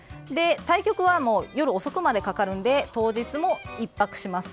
対局は夜遅くまでかかるので当日も１泊します。